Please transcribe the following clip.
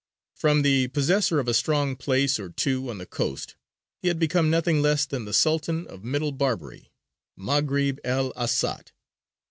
From the possessor of a strong place or two on the coast, he had become nothing less than the Sultan of Middle Barbary (Maghrib el Awsat).